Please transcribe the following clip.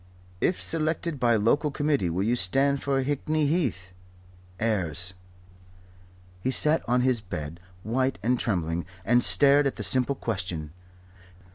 "If selected by local committee will you stand for Hickney Heath? Ayres." He sat on his bed, white and trembling, and stared at the simple question.